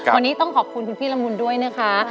วันนี้ต้องขอบคุณคุณพี่ละมุนด้วยนะคะ